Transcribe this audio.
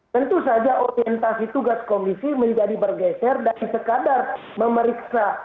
tentu saja orientasi tugas komisi menjadi bergeser dan sekadar memeriksa